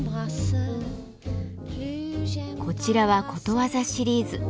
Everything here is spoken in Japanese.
こちらはことわざシリーズ。